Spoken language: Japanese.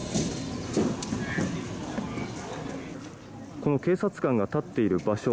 この警察官が立っている場所。